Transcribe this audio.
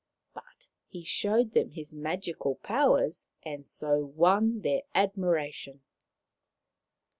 But he showed them his magic powers and so won their admiration.